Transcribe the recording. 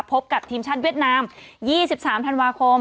พบกับทีมชาติเวียดนาม๒๓ธันวาคม